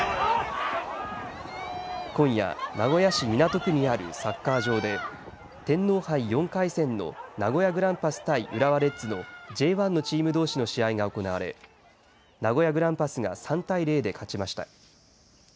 今夜名古屋市港区にあるサッカー場で天皇杯４回戦の名古屋グランパス対浦和レッズのＪ１のチームどうしの試合が行われ名古屋グランパスが３対０で勝ちました。